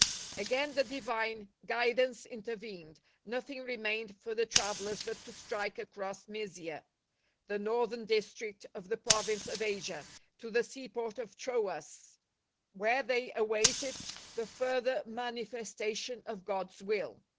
Again the Divine guidance intervened; nothing remained for the travellers but to strike across Mysia, the northern district of the province of Asia, to the seaport of Troas, where tliej'' awaited the further manifestation of God's will.